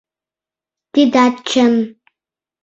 Тидат чын.